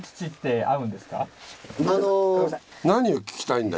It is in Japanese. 何を聞きたいんだ？